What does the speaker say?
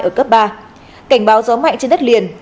ở cấp ba cảnh báo gió mạnh trên đất liền